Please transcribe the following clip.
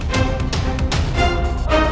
tidak ada apa apa